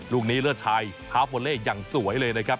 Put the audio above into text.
ลูกนี้เลือดชายฮาพวอเล่อย่างสวยเลยนะครับ